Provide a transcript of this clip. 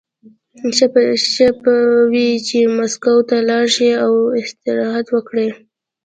ښه به وي چې مسکو ته لاړ شي او استراحت وکړي